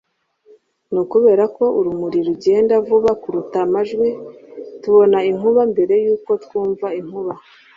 Ni ukubera ko urumuri rugenda vuba kuruta amajwi tubona inkuba mbere yuko twumva inkuba